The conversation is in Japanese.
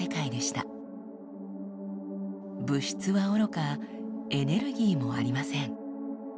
物質はおろかエネルギーもありません。